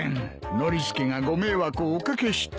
ノリスケがご迷惑をお掛けして。